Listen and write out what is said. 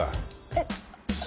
えっ。